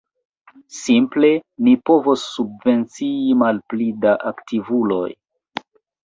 Simple ni povos subvencii malpli da aktivuloj.